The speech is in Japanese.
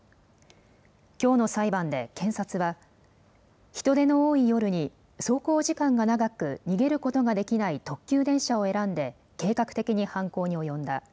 きょうの裁判で検察は、人出の多い夜に、走行時間が長く、逃げることができない特急電車を選んで、計画的に犯行に及んだ。